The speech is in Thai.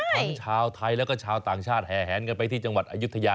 ทั้งชาวไทยแล้วก็ชาวต่างชาติแห่แหนกันไปที่จังหวัดอายุทยา